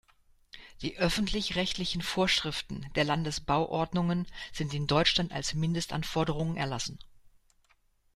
Die öffentlich-rechtlichen Vorschriften der Landesbauordnungen sind in Deutschland als Mindestanforderungen erlassen.